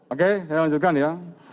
oke saya lanjutkan ya